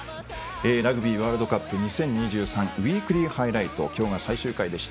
「ラグビーワールドカップ２０２３ウイークリーハイライト」今日が最終回でした。